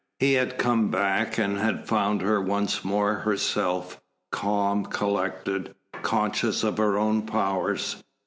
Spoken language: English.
He had come back and had found her once more herself, calm, collected, conscious of her own powers.